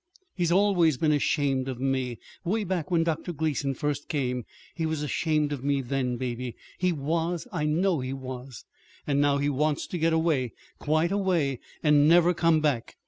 He's always been ashamed of me, 'way back when Dr. Gleason first came he was ashamed of me then, Baby. He was. I know he was. And now he wants to get away quite away, and never come back.